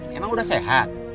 ini emang udah sehat